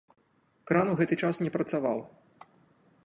Кран у гэты час не працаваў.